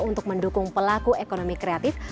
untuk mendukung pelaku ekonomi kreatif